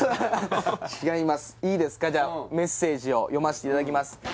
違いますいいですかじゃあメッセージを読ましていただきます